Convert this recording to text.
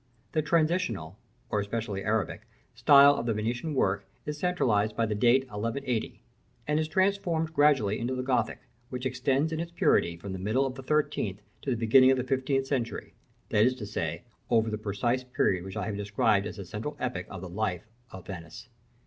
The transitional (or especially Arabic) style of the Venetian work is centralised by the date 1180, and is transformed gradually into the Gothic, which extends in its purity from the middle of the thirteenth to the beginning of the fifteenth century; that is to say, over the precise period which I have described as the central epoch of the life of Venice.